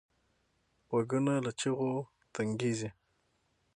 غوږونه له چغو تنګېږي